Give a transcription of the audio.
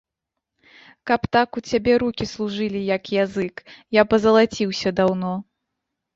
Каб так у цябе рукі служылі, як язык, я б азалаціўся даўно.